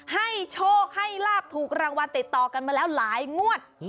ให้โชคให้ลาบถูกรางวัลติดต่อกันมาแล้วหลายงวด